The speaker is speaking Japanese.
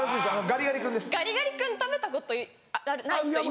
ガリガリ君食べたことない人います？